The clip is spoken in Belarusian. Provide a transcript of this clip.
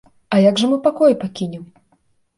А як жа мы пакоі пакінем?